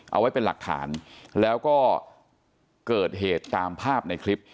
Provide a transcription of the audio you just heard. เอาไว้เป็นหลักฐานแล้วก็เกิดเหตุตามภาพในคลิป